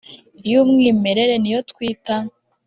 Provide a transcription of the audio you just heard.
y’umwimerere ni yo twita